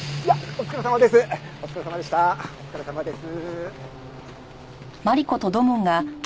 お疲れさまです。